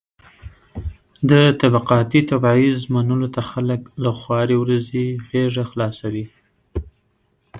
د طبقاتي تبعيض منلو ته خلک له خوارې ورځې غېږه خلاصوي.